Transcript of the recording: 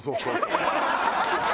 ハハハハ！